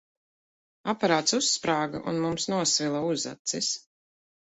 Aparāts uzsprāga, un mums nosvila uzacis.